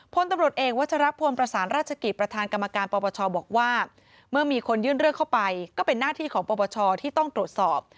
พลตำรวจเอกวัชรพลประสานราชกิจประธานกรรมการปปชบอกว่าเมื่อมีคนยื่นเรื่องเข้าไปก็เป็นหน้าที่ของปปชที่ต้องตรวจสอบ